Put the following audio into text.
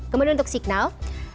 kemudian untuk signal